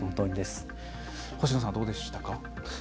星野さんはどうでしたか？